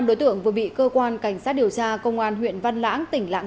năm đối tượng vừa bị cơ quan cảnh sát điều tra công an huyện văn lãng tỉnh lạng